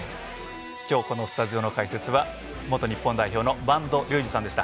今日このスタジオの解説は元日本代表の播戸竜二さんでした。